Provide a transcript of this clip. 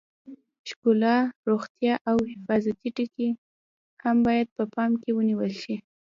ښکلا، روغتیا او حفاظتي ټکي هم باید په پام کې ونیول شي.